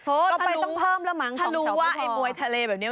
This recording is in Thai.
โอ้ต่อไปต้องเพิ่มแล้วมั้งสองแถวไม่พอถ้ารู้ว่าไอ้มวยทะเลแบบนี้